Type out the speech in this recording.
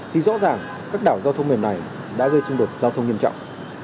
thì rõ ràng các đảo giao thông mềm này đã gây xung đột giao thông nghiêm trọng